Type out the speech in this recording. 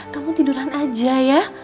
kamu tiduran aja ya